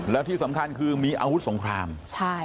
แล้วที่สำคัญคือมีอาวุธสงครามใช่